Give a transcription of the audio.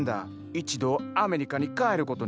一度アメリカに帰る事にする。